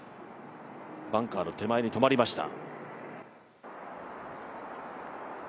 バンカーの手前に止まりました。